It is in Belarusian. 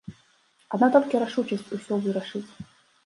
Адна толькі рашучасць усё вырашыць.